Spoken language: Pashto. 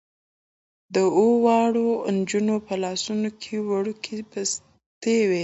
د اوو واړو نجونو په لاسونو کې وړوکې بستې وې.